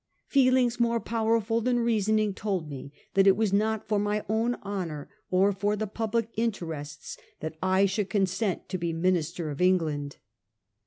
Feelings more powerful than rea soning told me that it was not for my own honour or for the public interests that I should consent to be minister of England.